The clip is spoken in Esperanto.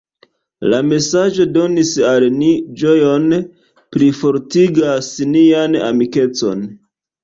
La mesaĝo donis al ni ĝojon, plifortigas nian amikecon.